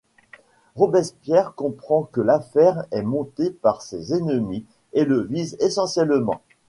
Robespierre comprend que l'affaire est montée par ses ennemis et le vise essentiellement.